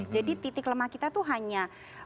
jadi titik lemah kita itu hanya